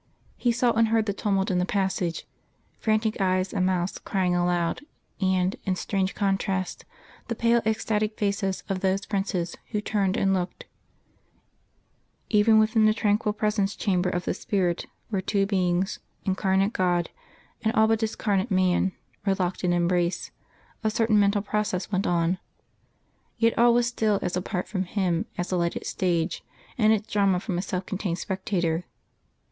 He saw and heard the tumult in the passage, frantic eyes and mouths crying aloud, and, in strange contrast, the pale ecstatic faces of those princes who turned and looked; even within the tranquil presence chamber of the spirit where two beings, Incarnate God and all but Discarnate Man, were locked in embrace, a certain mental process went on. Yet all was still as apart from him as a lighted stage and its drama from a self contained spectator.